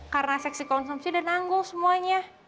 karena seksi konsumsi udah nanggung semuanya